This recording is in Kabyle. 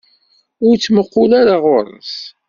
Ur ttmuqul ara ɣur-s!